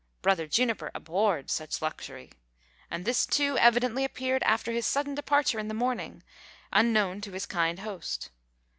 Brother Juniper abhorred such luxury. And this too evidently appeared after his sudden departure in the morning, unknown to his kind host.